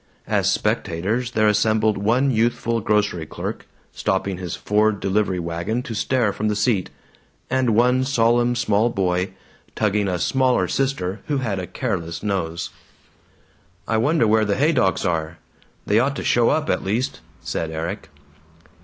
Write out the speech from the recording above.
As spectators there assembled one youthful grocery clerk, stopping his Ford delivery wagon to stare from the seat, and one solemn small boy, tugging a smaller sister who had a careless nose. "I wonder where the Haydocks are? They ought to show up, at least," said Erik.